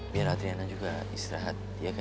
biar adriana juga istirahat ya kan